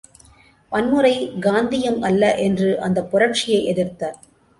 வன்முறை, காந்தீயம் அல்ல என்று அந்தப் புரட்சியைப் எதிர்த்தார்.